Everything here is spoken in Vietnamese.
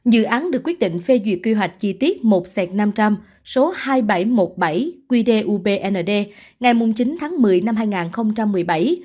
dự án được quyết định phê duyệt kỳ hoạch chi tiết một năm trăm linh hai nghìn bảy trăm một mươi bảy qd ubnd ngày chín một mươi hai nghìn một mươi bảy